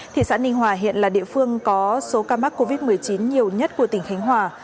thị xã ninh hòa hiện là địa phương có số ca mắc covid một mươi chín nhiều nhất của tỉnh khánh hòa